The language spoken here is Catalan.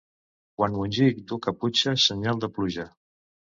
Quan Montjuïc duu caputxa, senyal de pluja.